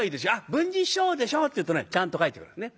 「文治師匠でしょ」って言うとねちゃんと書いてくれるんですね。